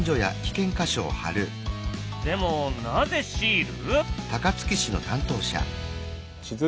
でもなぜシール？